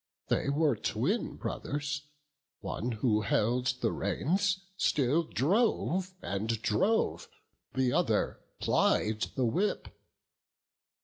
They were twin brothers; one who held the reins, Still drove, and drove; the other plied the whip.